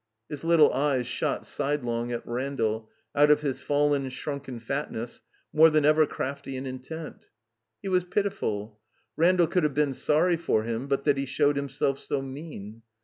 His little eyes shot sidelong at Randall, out of his fallen, shrunken fatness, more than ever crafty and intent. He was pitiftd. Randall could have been sorry for him but that he showed himself so mean.